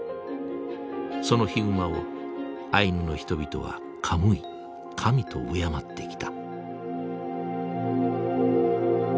そのヒグマをアイヌの人々はカムイ＝神と敬ってきた。